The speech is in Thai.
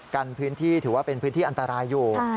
กันพื้นที่ถือว่าเป็นพื้นที่อันตรายอยู่